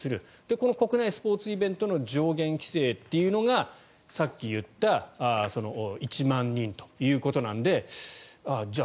この国内スポーツイベントの上限規制というのがさっき言った１万人ということなのでじゃあ